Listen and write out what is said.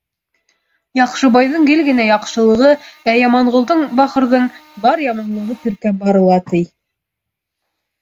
Яҡшыбайҙың гел генә яҡшылығы, ә Яманғолдоң, бахырҙың, бар яманлығы теркәп барыла, ти.